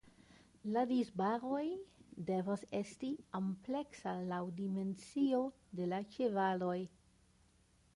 La disbaroj devas esti ampleksa laŭ dimensio de la ĉevaloj.